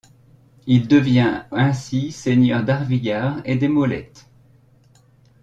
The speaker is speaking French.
Il devient ainsi seigneur d'Arvillard et des Molettes.